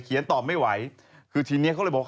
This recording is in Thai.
เขียนตอบไม่ไหวคือทีนี้เขาเลยบอกว่า